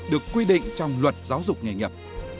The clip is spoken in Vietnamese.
được quy định trong luật giáo dục nghề nghiệp